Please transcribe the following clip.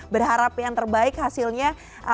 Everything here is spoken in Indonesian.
berharap yang terbaik hasilnya